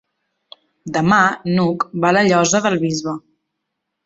Demà n'Hug va a la Llosa del Bisbe.